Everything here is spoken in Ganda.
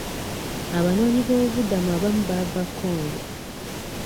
Abanoonyiboobubudamu abamu baava Congo.